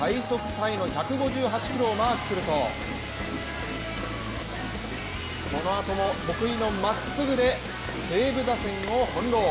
タイの１５８キロをマークするとそのあとも得意のまっすぐで西武打線を翻弄。